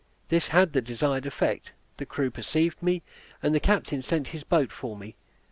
This had the desired effect; the crew perceived me, and the captain sent his boat for me.